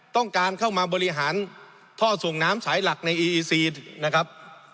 ต้องการเข้ามาบริหารท่อส่งน้ำสายหลักในอีอีซีนะครับ